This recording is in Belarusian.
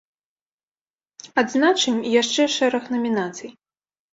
Адзначым і яшчэ шэраг намінацый.